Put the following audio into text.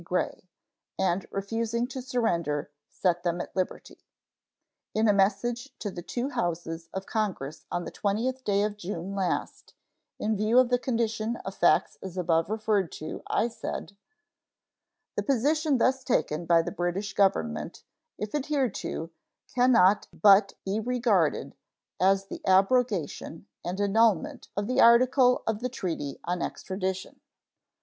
Gray), and, refusing to surrender, set them at liberty. In a message to the two Houses of Congress on the 20th day of June last, in view of the condition of facts as above referred to, I said: The position thus taken by the British Government, if adhered to, can not but be regarded as the abrogation and annulment of the article of the treaty on extradition.